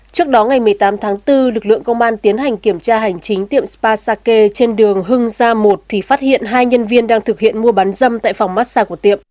trước đó ngày một mươi tám tháng bốn lực lượng công an tiến hành kiểm tra hành chính tiệm spa sake trên đường hưng gia một thì phát hiện hai nhân viên đang thực hiện mua bán dâm tại phòng massag của tiệm